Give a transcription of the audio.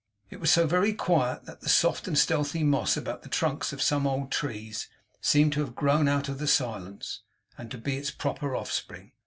It was so very quiet that the soft and stealthy moss about the trunks of some old trees, seemed to have grown out of the silence, and to be its proper offspring.